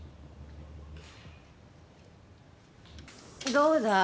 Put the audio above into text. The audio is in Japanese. どうだい？